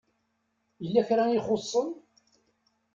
Yella kra i ixuṣṣen.